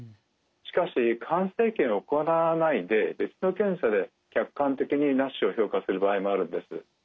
しかし肝生検を行わないで別の検査で客観的にＮＡＳＨを評価する場合もあるんです。